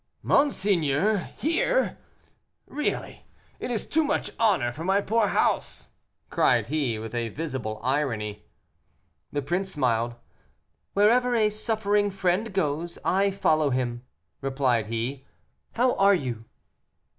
"Monseigneur, here! really it is too much honor for my poor house!" cried he, with a visible irony. The prince smiled. "Wherever a suffering friend goes, I follow him," replied he. "How are you?"